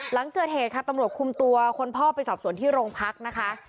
หลังเกิดเหตุค่ะตำรวจคุมตัวคนพ่อไปสอบสวนที่โรงพักนะคะ